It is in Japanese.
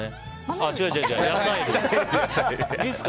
あ、違う違う。